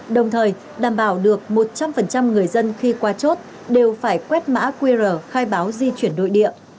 đồng thời đảm bảo được một trăm linh người dân khi qua chốt đều phải quét mã qr khai báo di chuyển nội địa